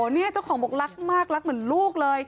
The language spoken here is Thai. เนี่ยเจ้าของบอกรักมากรักเหมือนลูกเลย